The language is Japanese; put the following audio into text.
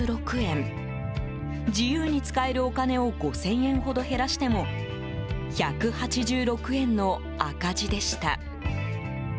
自由に使えるお金を５０００円ほど減らしても１８６円の赤字でした。